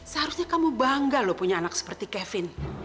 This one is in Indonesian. seharusnya kamu bangga loh punya anak seperti kevin